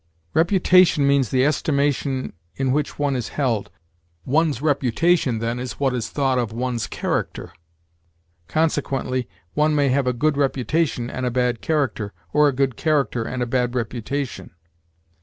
Reputation means the estimation in which one is held. One's reputation, then, is what is thought of one's character; consequently, one may have a good reputation and a bad character, or a good character and a bad reputation.